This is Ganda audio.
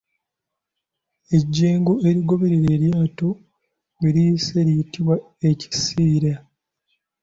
Ejjengo erigoberera eryato we liyise liyitibwa Ekisiira.